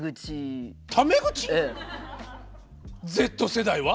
Ｚ世代は？